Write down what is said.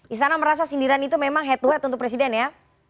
istana merasa sindiran itu memang head to head untuk presiden ya